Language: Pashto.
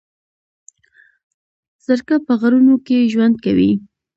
زرکه په غرونو کې ژوند کوي